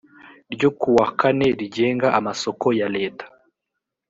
ryo kuwa kane rigenga amasoko ya leta